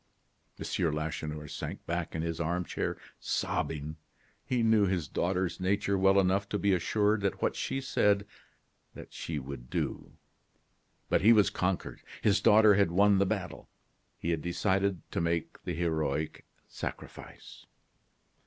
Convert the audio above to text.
M. Lacheneur sank back in his arm chair sobbing. He knew his daughter's nature well enough to be assured that what she said, that she would do. But he was conquered; his daughter had won the battle. He had decided to make the heroic sacrifice.